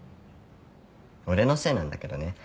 俺のせいなんだけどね。